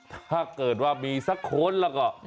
ถ้าเกิดว่ามีสักคนละเหรอ